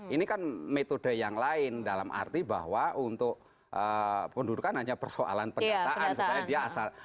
ini kan metode yang lain dalam arti bahwa untuk pendudukan hanya persoalan pendataan